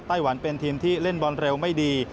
หวันเป็นทีมที่เล่นบอลเร็วไม่ดี